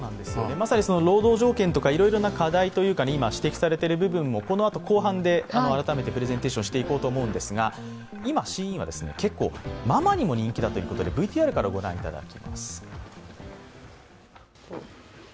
まさに労働条件とかいろいろな課題とか今、指摘されてる部分もこのあと後半で改めてプレゼンテーションしていこうと思うんですが、今、ＳＨＥＩＮは結構、ママにも人気だということでＶＴＲからご覧いただきます。